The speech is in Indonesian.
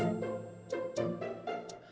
ya kita bisa ke rumah